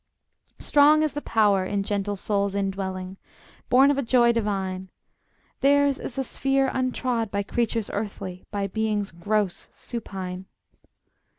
Strong is the power in gentle souls indwelling, Born of a joy divine; Theirs is a sphere untrod by creatures earthly, By beings gross, supine.